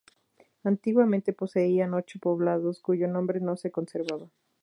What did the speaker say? Antiguamente poseían ocho poblados, cuyo nombre no se conserva.